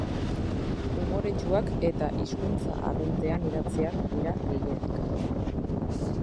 Umoretsuak eta hizkuntza arruntean idatziak dira gehienak.